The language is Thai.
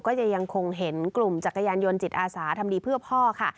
ยังคงเห็นกลุ่มจักรยานยนต์จิตอาสาทำดีเพื่อพ่อค่ะ